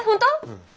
うん。